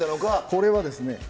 これはですね